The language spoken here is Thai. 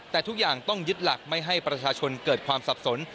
แต่ทุกอย่างต้องยึดหลักไม่ให้ประชาชนเกิดความสับสน